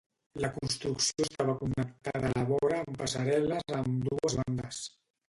La construcció estava connectada a la vora amb passarel·les a ambdues bandes.